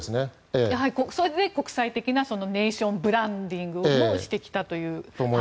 それで国際的なネーションブランディングもしてきたという。